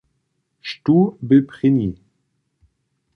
Štó bě prěni?